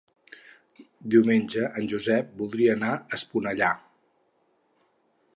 Diumenge en Josep voldria anar a Esponellà.